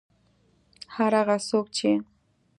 هر هغه څوک چې